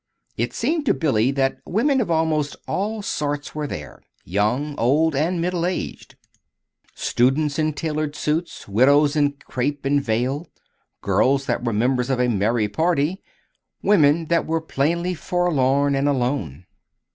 It seemed to Billy that women of almost all sorts were there, young, old, and middle aged; students in tailored suits, widows in crape and veil; girls that were members of a merry party, women that were plainly forlorn and alone.